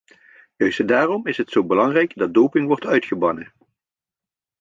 Juist daarom is het zo belangrijk dat doping wordt uitgebannen.